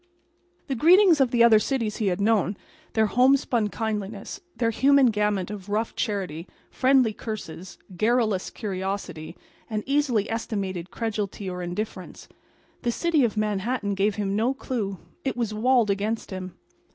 The greetings of the other cities he had known—their homespun kindliness, their human gamut of rough charity, friendly curses, garrulous curiosity and easily estimated credulity or indifference. This city of Manhattan gave him no clue; it was walled against him.